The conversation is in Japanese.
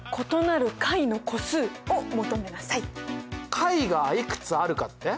解がいくつあるかって？